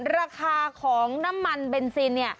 ราคาของน้ำมันเบนซิน